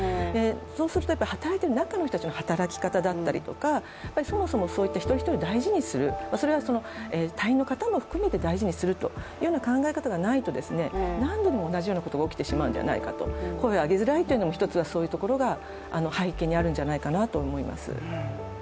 そうすると、中の人たちの働き方だったりとかそもそもそういった、一人一人を大事にする隊員の方も含めて大事にするというような考え方がないと、何度でも同じようなことが起きてしまうんではないか、声を上げづらいというのも、一つはそういうところが背景にあるんじゃないかなと思います。